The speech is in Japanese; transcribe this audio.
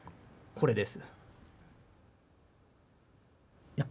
これです。